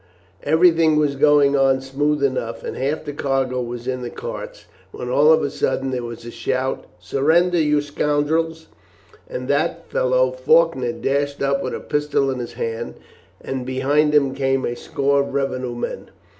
Everything was going on smooth enough, and half the cargo was in the carts, when all of a sudden there was a shout 'Surrender, you scoundrels!' and that fellow Faulkner dashed up with a pistol in his hand, and behind him came a score of revenue men.